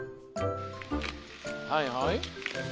はいはい。